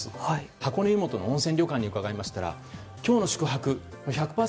箱根湯本の温泉旅行の方にうかがいましたが今日の宿泊１００％